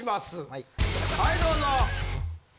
はいどうぞ。